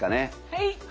はい。